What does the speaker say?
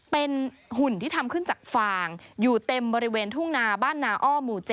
เป็นหุ่นที่ทำขึ้นจากฟางอยู่เต็มบริเวณทุ่งนาบ้านนาอ้อหมู่๗